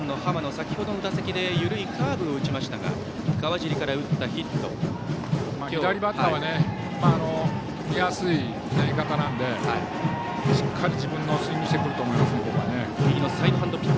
先程の打席で緩いカーブを打ちましたが左バッターは見やすいのでしっかり自分のスイングをしてくると思います。